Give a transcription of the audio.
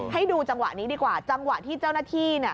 ให้ดูจังหวะนี้ดีกว่าจังหวะที่เจ้าหน้าที่